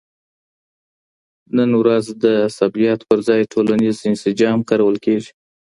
نن ورځ د عصبیت پر ځای ټولنیز انسجام کارول کیږي.